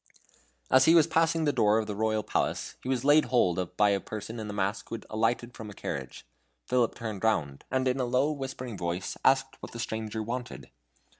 As he was passing the door of the royal palace, he was laid hold of by a person in a mask who had alighted from a carriage. Philip turned round, and in a low whispering voice asked what the stranger wanted.